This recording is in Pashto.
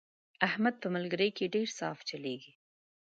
احمد په ملګرۍ کې ډېر صاف چلېږي.